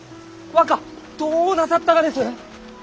若どうなさったがです！？